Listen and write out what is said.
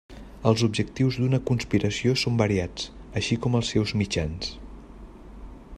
Els objectius d'una conspiració són variats, així com els seus mitjans.